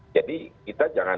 jadi kita jangan